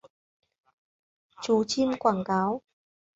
Chú chim"quảng cáo"